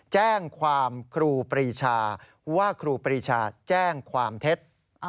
แจ้งความครูปรีชาว่าครูปรีชาแจ้งความเท็จ